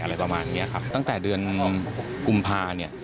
อะไรประมาณเนี้ยครับตั้งแต่เดือนกุมภาเนี่ย